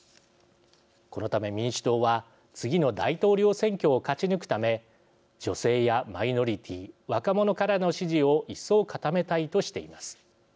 このため、民主党は次の大統領選挙を勝ち抜くため女性やマイノリティー若者からの支持を一層、固めたいとしています。